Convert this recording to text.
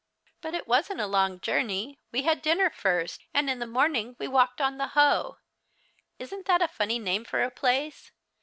" But it wasn't a long journey. We had dinner lirst, and in the morning we walked on the Hoe. Isn't that a funny name for a place